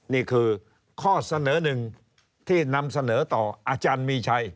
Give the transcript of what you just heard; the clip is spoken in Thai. นี่คือข้อเสนอหนึ่งที่นำเสนอต่ออาจารย์มีชัย